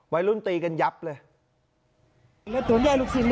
ไว้รุ่นตีกันยับเลย